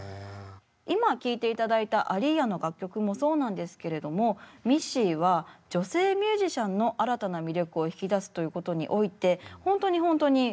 今聴いていただいたアリーヤの楽曲もそうなんですけれどもミッシーは女性ミュージシャンの新たな魅力を引き出すということにおいて本当に本当にうまいんですよね。